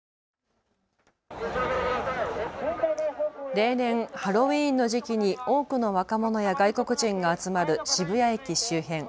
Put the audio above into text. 例年、ハロウィーンの時期に多くの若者や外国人が集まる渋谷駅周辺。